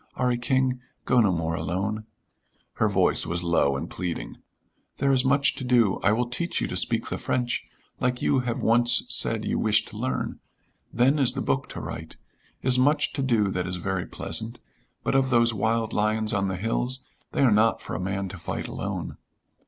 'Arry King, go no more alone." Her voice was low and pleading. "There is much to do. I will teach you to speak the French, like you have once said you wish to learn. Then is the book to write. Is much to do that is very pleasant. But of those wild lions on the hills, they are not for a man to fight alone."